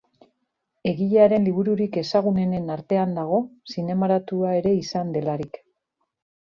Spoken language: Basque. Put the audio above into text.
Egilearen libururik ezagunenen artean dago, zinemaratua ere izan delarik.